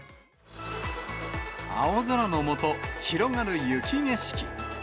青空の下、広がる雪景色。